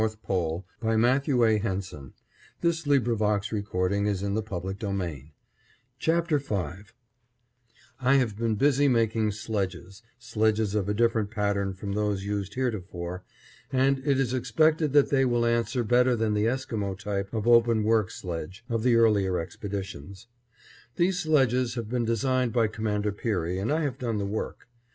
CHAPTER V MAKING PEARY SLEDGES HUNTING IN THE ARCTIC NIGHT THE EXCITABLE DOGS AND THEIR HABITS I have been busy making sledges, sledges of a different pattern from those used heretofore, and it is expected that they will answer better than the Esquimo type of open work sledge, of the earlier expeditions. These sledges have been designed by Commander Peary and I have done the work.